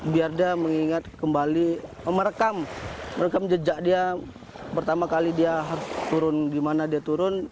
biar dia mengingat kembali merekam jejak dia pertama kali dia harus turun di mana dia turun